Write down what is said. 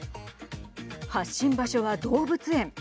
発信場所は動物園。